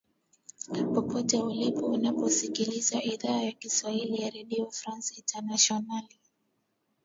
popote ulipo unapoisikiliza idhaa ya kiswahili ya redio france international